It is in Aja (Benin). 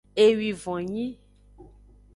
Ewivon nyi.